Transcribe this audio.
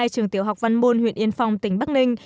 hai trường tiểu học văn môn huyện yên phong tỉnh bắc ninh